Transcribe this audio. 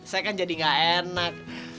saya kan jadi gak enak